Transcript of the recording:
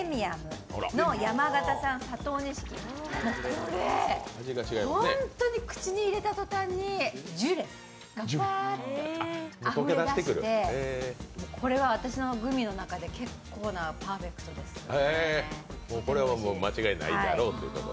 これ、本当に口の入れた途端にジュレがふぁっとあふれ出して、これは私のグミの中で結構なパーフェクトですね。